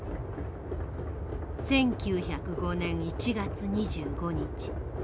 １９０５年１月２５日。